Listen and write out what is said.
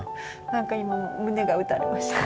なんか今胸が打たれました。